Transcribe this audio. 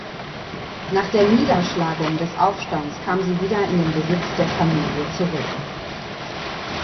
Nach der Niederschlagung des Aufstands kam sie wieder in den Besitz der Familie zurück.